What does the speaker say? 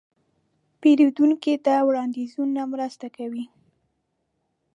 پیرودونکي ته وړاندیزونه مرسته کوي.